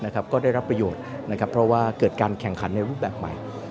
ก็ได้รับประโยชน์เพราะว่าเกิดการแข่งขันในรูปแบบใหม่